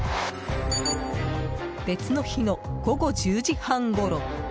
別の日の午後１０時半ごろ。